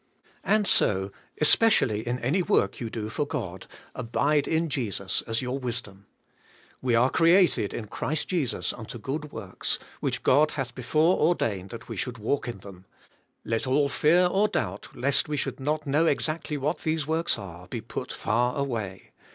And so, especially in any worJc you do for God, abide in Jesus as your wisdom. 'We are created in Christ Jesus unto good works, which God hath be fore ordained that we should walk in them ;' let all fear or doubt lest we should not know exactly what these works are, be put far away.